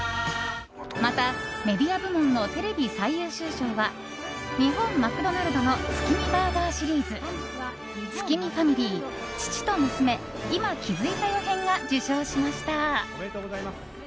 また、メディア部門のテレビ最優秀賞は日本マクドナルドの月見バーガーシリーズ「月見ファミリー父と娘“いま気づいたよ”篇」が受賞しました。